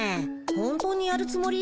本当にやるつもり？